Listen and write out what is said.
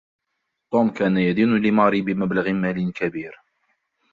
توم كان يدين لماري بمبلغ مالي كبير.